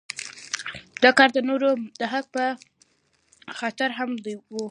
دا کار د نورو د حق په خاطر هم کوو.